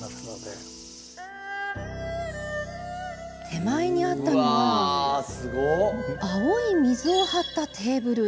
手前にあったのは青い水を張ったテーブル。